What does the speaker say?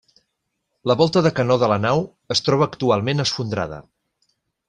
La volta de canó de la nau es troba actualment esfondrada.